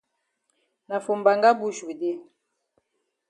Na for mbanga bush we dey.